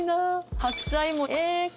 白菜もえっ！